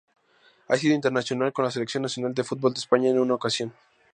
Ha sido internacional con la Selección nacional de fútbol de España en una ocasión.